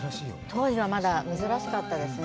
当時はまだ珍しかったですね。